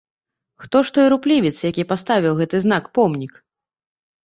Хто ж той руплівец, які паставіў гэты знак-помнік?